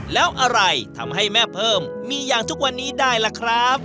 แล้วอะไรทำให้แม่เพิ่มมีอย่างทุกวันนี้ได้ล่ะครับ